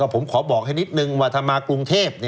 ผมขอบอกให้นิดนึงว่าถ้ามากรุงเทพ